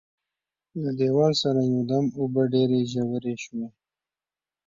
له دیواله سره یو دم اوبه ډېرې ژورې شوې.